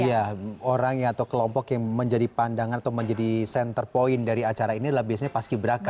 iya orangnya atau kelompok yang menjadi pandangan atau menjadi center point dari acara ini adalah biasanya paski braka